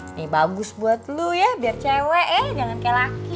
ini bagus buat lu ya biar cewek ya jangan kayak laki